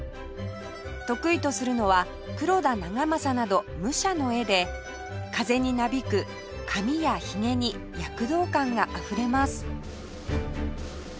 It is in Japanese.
得意とするのは黒田長政など武者の絵で風になびく髪やひげに躍動感があふれます